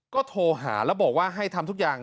ก็โทรหาแล้วบอกว่าให้ทำทุกอย่าง